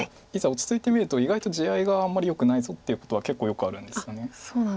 落ち着いてみると意外と地合いがあんまりよくないぞっていうことは結構よくあるんですよね。